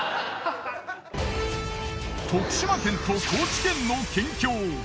徳島県と高知県の県境。